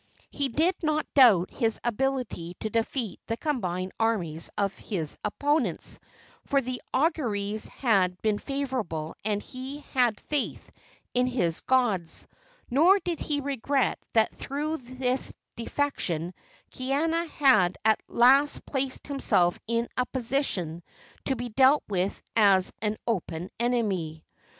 He did not doubt his ability to defeat the combined armies of his opponents, for the auguries had been favorable and he had faith in his gods; nor did he regret that through his defection Kaiana had at last placed himself in a position to be dealt with as an open enemy.